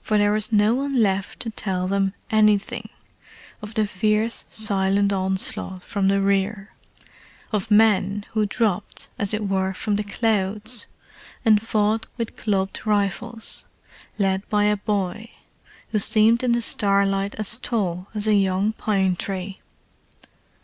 For there was no one left to tell them anything—of the fierce, silent onslaught from the rear; of men who dropped as it were from the clouds and fought with clubbed rifles, led by a boy who seemed in the starlight as tall as a young pine tree.